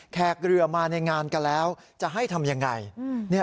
แขกเรือมาในงานกันแล้วจะให้ทำยังไง